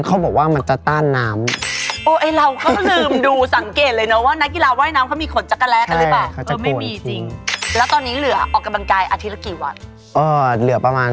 ชอบเล่นกีฬาตั้งแต่ธุรกฎีก็คือฟุตบอล